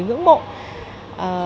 người ngưỡng mộ